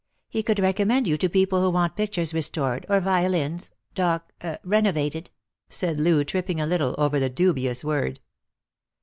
" He could recommend you to people who want pictures restored, or violins doc — renovated," said Loo, tripping a little over the dubious word.